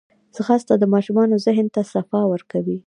ځغاسته د ماشومانو ذهن ته صفا ورکوي